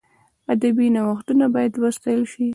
ادبي نوښتونه باید وستایل سي.